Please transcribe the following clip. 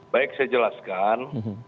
baik saya jelaskan